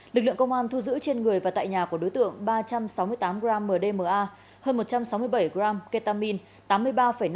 lực lượng công an thu giữ trên người và tại nhà của đối tượng ba trăm sáu mươi tám g mdma hơn một trăm sáu mươi bảy g ketamine